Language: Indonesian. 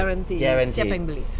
guaranteed siapa yang beli